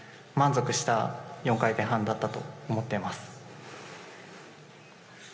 満足した４回転半だったと思っています。